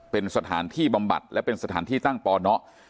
เป็นสถานที่บำบัดและเป็นสถานที่ตั้งปเนาะ